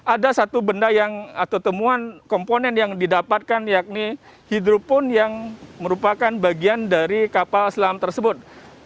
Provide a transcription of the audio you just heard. ada satu benda yang atau temuan komponen yang didapatkan yakni hidropon yang merupakan bagian dari kapal selam tersebut